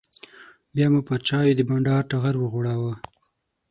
بیا مو پر چایو د بانډار ټغر وغوړاوه.